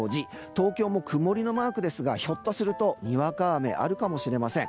東京も曇りのマークですがひょっとするとにわか雨があるかもしれません。